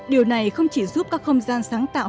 điều này không chỉ giúp các không gian sáng tạo